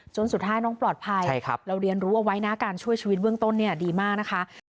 สุดท้ายน้องปลอดภัยเราเรียนรู้เอาไว้นะการช่วยชีวิตเบื้องต้นเนี่ยดีมากนะคะ